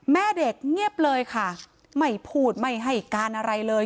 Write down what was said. แม่เด็กเงียบเลยค่ะไม่พูดไม่ให้การอะไรเลย